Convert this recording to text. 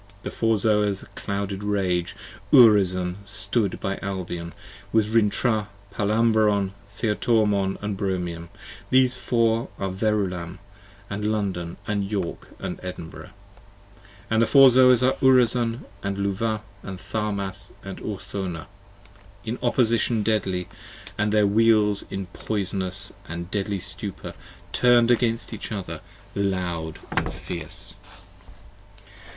74 THE Four Zoas clouded rage; Urizen stood by Albion, With Rintrah and Palamabron and Theotormon and Bromion: These Four are Verulam & London & York & Edinburgh : And the Four Zoas are Urizen & Luvah & Tharmas & Urthona, 5 In opposition deadly, and their Wheels in poisonous And deadly stupor turn'd against each other loud & fierce.